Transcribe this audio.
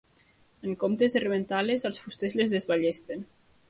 En comptes de rebentar-les, els fusters les desballesten.